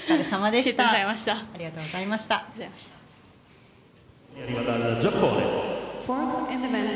ありがとうございます。